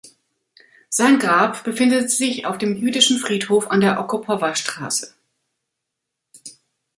Sein Grab befindet sich auf dem Jüdischen Friedhof an der Okopowa-Straße.